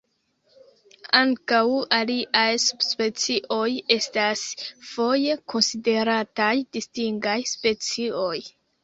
Ankaŭ aliaj subspecioj estas foje konsiderataj distingaj specioj.